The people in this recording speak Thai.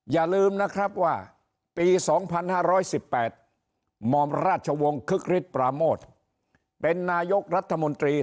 อย่าลืมนะครับว่าปี๒๕๑๘มอมราชวงศ์คึกฤทธิปราโมทเป็นนายกรัฐมนตรี